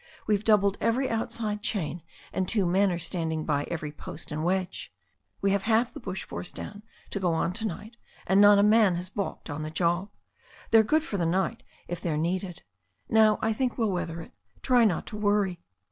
We've doubled every outside chain, and two men are standing by every post and wedge. We have half the bush force down to go on to night, and not a man has balked on the job. They're good for the night if they are needed. Now I think we'll weather it. Try not to worry."